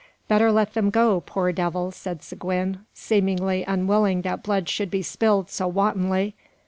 "Better let them go, poor devils!" said Seguin, seemingly unwilling that blood should be spilled so wantonly.